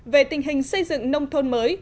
về tình hình xây dựng nông thôn mới